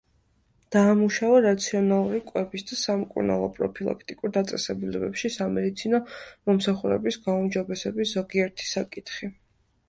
დაამუშავა რაციონალური კვებისა და სამკურნალო პროფილაქტიკურ დაწესებულებებში სამედიცინო მომსახურების გაუმჯობესების ზოგიერთი საკითხი.